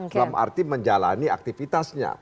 dalam arti menjalani aktivitasnya